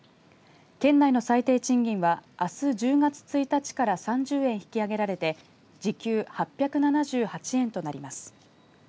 県内の最低賃金はあす１０月１日から３０円引き上げられて時給８７８円となります。